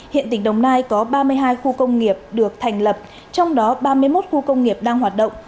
hiện tỉnh đồng nai có ba mươi hai khu công nghiệp được thành lập trong đó ba mươi một khu công nghiệp đang hoạt động